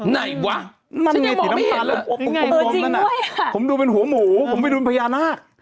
ไหนวะผมดูเป็นหัวหมูผมไม่ดูเป็นพญานาค